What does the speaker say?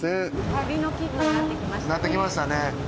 なってきましたね。